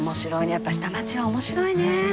やっぱ下町は面白いね。